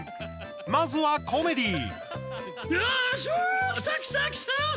まずはコメディー。